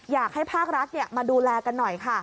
อยากให้ภาครัฐมาดูแลกันหน่อยค่ะ